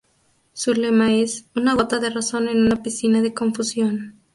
Su lema es Una gota de razón en una piscina de confusión.